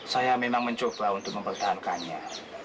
saya memang mencoba untuk mempertahankannya